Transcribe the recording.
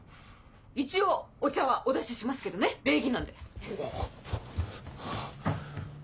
一応お茶はお出ししますけどね礼儀なんで。